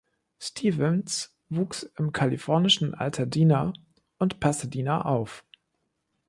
Stephens wuchs im kalifornischen Altadena und Pasadena auf.